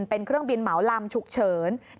เป็นเครื่องบินเหมาลำฉุกเฉิน